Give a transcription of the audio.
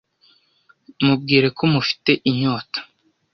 Mubwire ko mufite inyota.